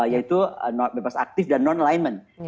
yaitu bebas aktif dan non alignment